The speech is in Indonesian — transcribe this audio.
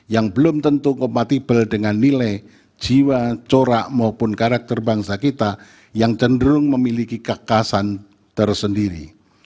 yang belum tentu kompatibel dengan nilai jiwa corak maupun karakter bangsa kita yang cenderung memiliki kekasan tersendiri